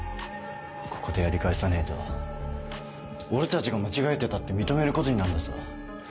ここでやり返さねえと俺たちが間違えてたって認めることになんだぞ。